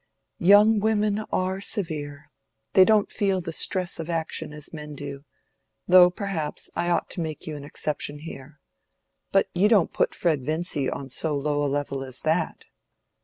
"Young women are severe: they don't feel the stress of action as men do, though perhaps I ought to make you an exception there. But you don't put Fred Vincy on so low a level as that?"